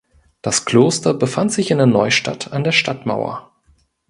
Das Kloster befand sich in der Neustadt an der Stadtmauer.